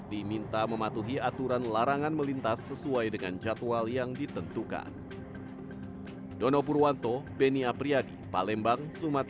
diminta mematuhi aturan larangan melintas sesuai dengan jadwal yang ditentukan